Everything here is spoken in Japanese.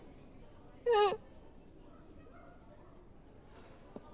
うん。